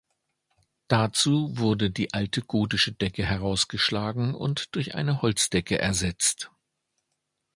Dazu wurde die alte gotische Decke herausgeschlagen und durch eine Holzdecke ersetzt.